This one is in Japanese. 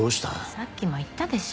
さっきも言ったでしょ